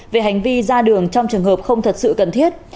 về hành vi ra đường trong trường hợp không thật sự cần thiết